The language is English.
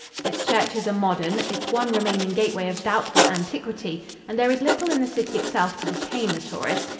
Its churches are modern, its one remaining gateway of doubtful antiquity, and there is little in the city itself to detain the tourist.